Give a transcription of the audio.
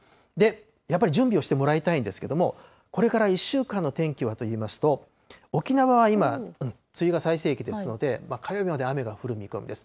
やっぱり準備をしてもらいたいんですけれども、これから１週間の天気はといいますと、沖縄は今、梅雨が最盛期ですので、火曜日まで雨が降る見込みです。